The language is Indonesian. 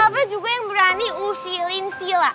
siapa juga yang berani usilin sihla